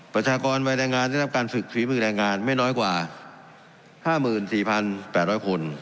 ประชากรวัยแรงงานได้รับการฝึกฝีมือแรงงานไม่น้อยกว่า๕๔๘๐๐คน